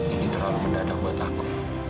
ini terlalu mendadak buat aku